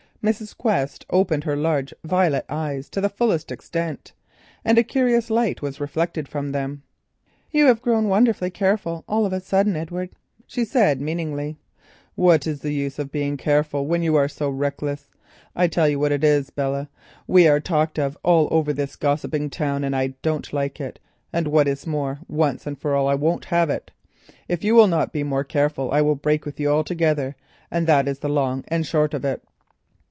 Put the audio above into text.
Mrs. Quest opened her large violet eyes to the fullest extent, and a curious light was reflected from them. "You have grown wonderfully cautious all of a sudden, Edward," she said meaningly. "What is the use of my being cautious when you are so reckless? I tell you what it is, Belle. We are talked of all over this gossiping town, and I don't like it, and what is more, once and for all, I won't have it. If you will not be more careful, I will break with you altogether, and that is the long and short of it."